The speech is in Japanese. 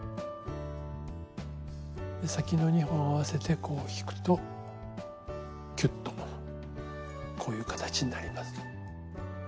先の２本を合わせてこう引くとキュッとこういう形になります。